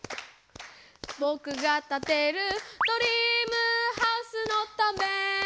「ぼくがたてるドリームハウスのため」